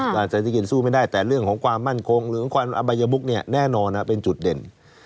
เศรษฐกิจสู้ไม่ได้แต่เรื่องของความมั่นคงหรือความอบัยมุกเนี่ยแน่นอนเป็นจุดเด่น